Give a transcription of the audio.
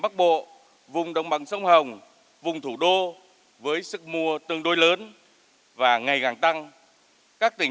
bắc bộ vùng đồng bằng sông hồng vùng thủ đô với sức mua tương đối lớn và ngày càng tăng các tỉnh